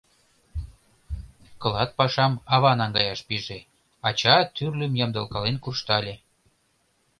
Клат пашам ава наҥгаяш пиже, ача тӱрлым ямдылкален куржтале.